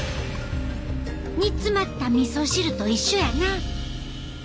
煮詰まったみそ汁と一緒やな。